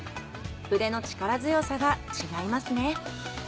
筆の力強さが違いますね。